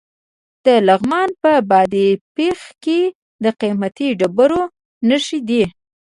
د لغمان په بادپخ کې د قیمتي ډبرو نښې دي.